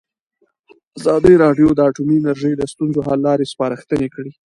ازادي راډیو د اټومي انرژي د ستونزو حل لارې سپارښتنې کړي.